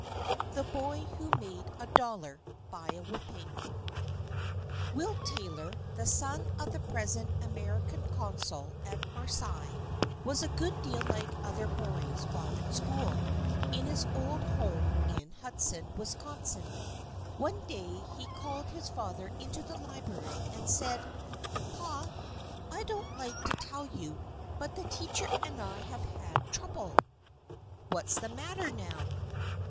THE BOY WHO MADE A DOLLAR BY A WHIPPING. BILL NYE. Will Taylor, the son of the present American consul at Marseilles, was a good deal like other boys while at school in his old home in Hudson, Wis. One day he called his father into the library and said: "Pa, I don't like to tell you, but the teacher and I have had trouble." "What's the matter now?"